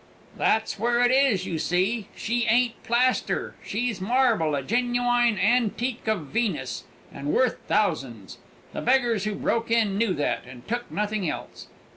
"That's where it is, you see; she ain't plaster she's marble, a genuine antic of Venus, and worth thousands. The beggars who broke in knew that, and took nothing else.